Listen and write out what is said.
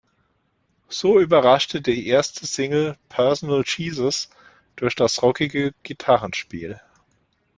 So überraschte die erste Single "Personal Jesus" durch das rockige Gitarrenspiel.